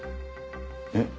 えっ？